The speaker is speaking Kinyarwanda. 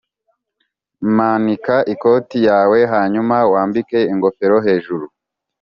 manika ikoti yawe hanyuma wambike ingofero hejuru.